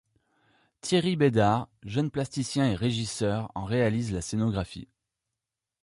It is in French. Thierry Bédard, jeune plasticien et régisseur, en réalise la scénographie.